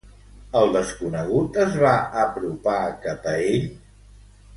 El desconegut es va apropar cap a ell?